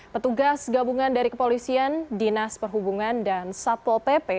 petugas gabungan dari kepolisian dinas perhubungan dan satpol pp